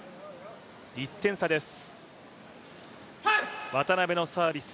１点差です。